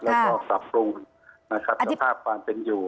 แล้วก็ปรับปรุงนะครับสภาพความเป็นอยู่